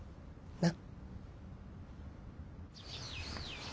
なっ。